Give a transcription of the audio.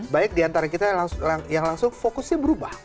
baik di antara kita yang langsung fokusnya berubah